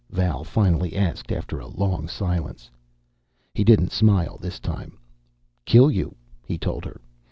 Val finally asked, after a long silence. He didn't smile this time. "Kill you," he told her.